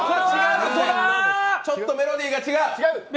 ちょっとメロディーが違う。